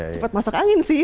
cepat masuk angin sih